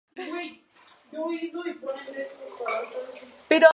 Se ha convertido en un libro por Robin Parrish.